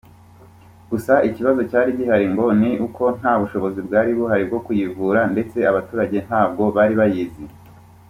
gusa ikibazo cyari gihari ngo ni uko nta bushobozi bwari buhari bwo kuyivura ndetse abaturage ntabwo bari bayizi